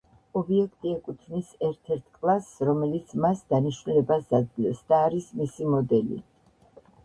ობიექტი ეკუთვნის ერთ-ერთ კლასს რომელიც მას დანიშნულებას აძლევს და არის მისი მოდელი.